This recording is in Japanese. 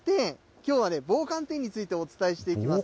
きょうは棒寒天についてお伝えしていきます。